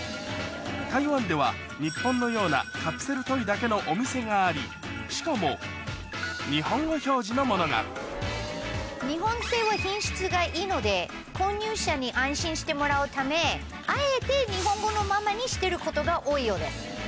台湾では日本のようながありしかも日本語表示のものが購入者に安心してもらうためあえて日本語のままにしてることが多いようです。